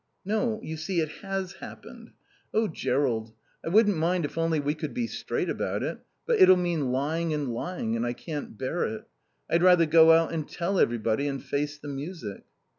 "No. You see, it has happened. Oh Jerrold, I wouldn't mind if only we could be straight about it. But it'll mean lying and lying, and I can't bear it. I'd rather go out and tell everybody and face the music."